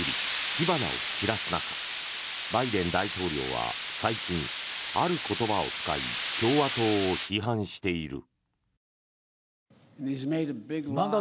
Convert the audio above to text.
火花を散らす中バイデン大統領は最近、ある言葉を使い共和党を批判している。